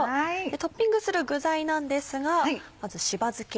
トッピングする具材なんですがまずしば漬け。